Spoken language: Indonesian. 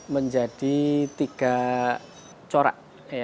menjadi tiga corak